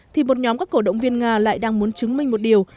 thì một nhóm các cổ động viên nga lại đang muốn chứng minh một điều